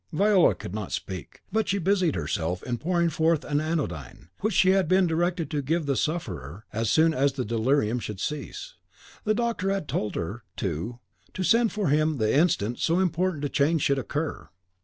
Viola could not speak; but she busied herself in pouring forth an anodyne, which she had been directed to give the sufferer as soon as the delirium should cease. The doctor had told her, too, to send for him the instant so important a change should occur.